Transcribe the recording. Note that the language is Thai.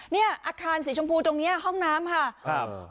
เนี่ยอาคารสีชมพูตรงนี้ห้องน้ำค่ะครับ